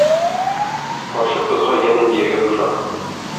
Карчык кызга янә биергә куша.